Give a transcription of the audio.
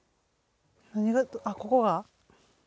何があっここが！